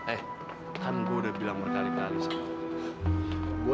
eh kan gue udah bilang berkali kali sama lo